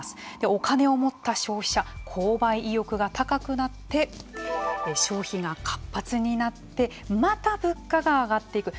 お金を持った消費者購買意欲が高くなって消費が活発になってまた物価が上がっていく。